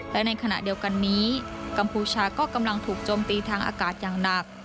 และในขณะเดียวกันนี้กัมพูชาก็กำลังถูกโจมตีทางอากาศอย่างหนัก